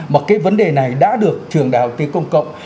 mà cái vấn đề này đã được trường đại học y công cộng